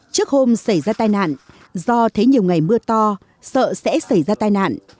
trước hôm xảy ra tai nạn do thế nhiều ngày mưa to sợ sẽ xảy ra tai nạn